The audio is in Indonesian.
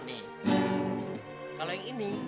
kalau yang ini